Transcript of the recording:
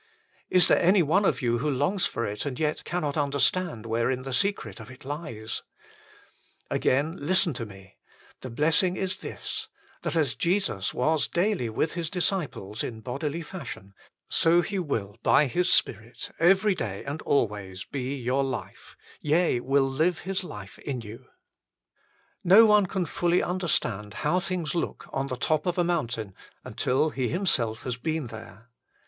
Is there any one of you who longs for it and yet cannot understand wherein the secret of it lies ? Again listen to me : the blessing is this that as Jesus Christ was daily with His disciples in bodily fashion, so He will by His Spirit every day and always 106 THE FULL BLESSING OF PENTECOST be your life ; yea, live His life in you. No one can fully understand how things look on the top of a mountain until he himself has been there.